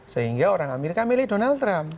sehingga orang amerika milih donald trump